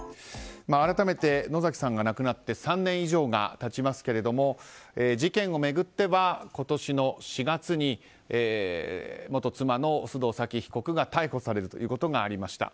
改めて、野崎さんが亡くなって３年以上が経ちますが事件を巡っては今年の４月に元妻の須藤早貴被告が逮捕されるということがありました。